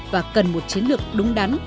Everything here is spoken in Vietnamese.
và cần một chiến lược đúng đắn